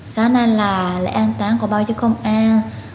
sáng nay là lễ an toán của báo chí công an